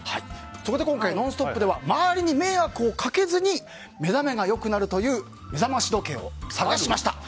そこで今回「ノンストップ！」では周りに迷惑をかけずに目覚めが良くなるという目覚まし時計を探しました。